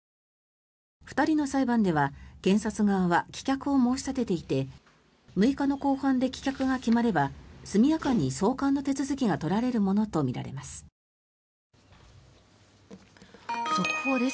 ２人の裁判では検察側は棄却を申し立てていて６日の公判で棄却が決まれば速やかに送還の手続きが取られるものとみられます。